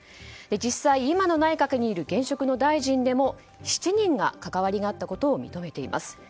実際今の内閣にいる現職の大臣でも７人が関わりがあったことを認めています。